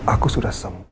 aku sudah sembuh